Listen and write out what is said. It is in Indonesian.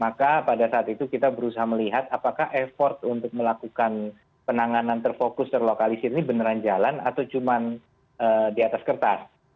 maka pada saat itu kita berusaha melihat apakah effort untuk melakukan penanganan terfokus terlokalisir ini beneran jalan atau cuma di atas kertas